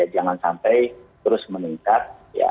jangan sampai terus meningkat